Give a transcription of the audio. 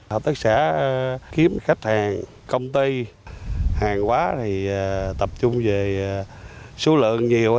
hợp tác xã kiếm khách hàng công ty hàng quá thì tập trung về số lượng nhiều